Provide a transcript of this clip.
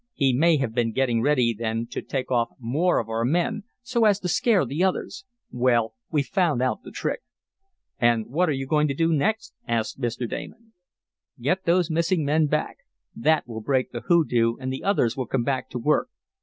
He may have been getting ready then to take off more of our men, so as to scare the others. Well, we've found out the trick." "And what are you going to do next?" asked Mr. Damon. "Get those missing men back. That will break the hoodoo, and the others will come back to work.